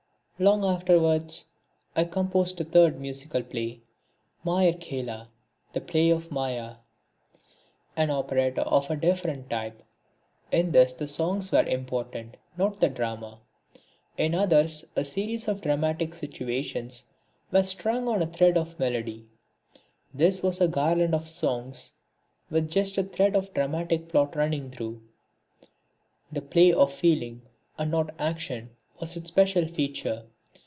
Long afterwards, I composed a third musical play, Mayar Khela, the Play of Maya, an operetta of a different type. In this the songs were important, not the drama. In the others a series of dramatic situations were strung on a thread of melody; this was a garland of songs with just a thread of dramatic plot running through. The play of feeling, and not action, was its special feature.